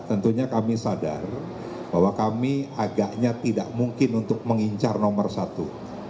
tentunya kami sadar bahwa kami agaknya tidak mungkin untuk mengincar nomor satu